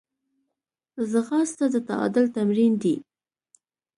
ځغاسته د تعادل تمرین دی